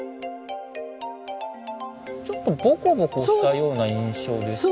ちょっとぼこぼこしたような印象ですね。